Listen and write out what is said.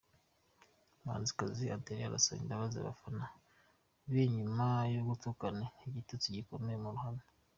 Umuhanzikazi Adele arasaba imbabazi abafana be nyuma yo gutukana igitutsi gikomeye mu ruhame.